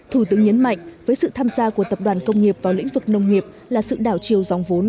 thủ tướng nhấn mạnh với sự tham gia của tập đoàn công nghiệp vào lĩnh vực nông nghiệp là sự đảo chiều dòng vốn